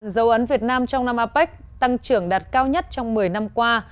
dấu ấn việt nam trong năm apec tăng trưởng đạt cao nhất trong một mươi năm qua